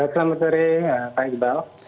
selamat sore pak iqbal